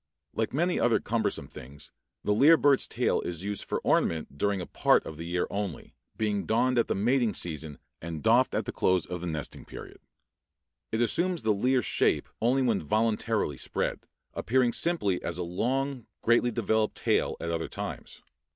Like many other cumbersome things, the lyre bird's tail is used for ornament during a part of the year only, being donned at the mating season and doffed at the close of the nesting period. It assumes the lyre shape only when voluntarily spread, appearing simply as a long, greatly developed tail at other times.